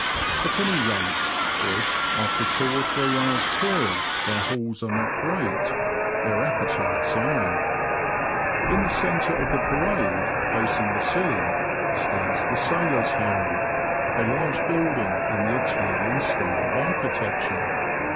At any rate, if, after two or three hours' toil, their hauls are not great, their appetites are. In the centre of the Parade, facing the sea, stands the Sailors' Home, a large building in the Italian style of architecture.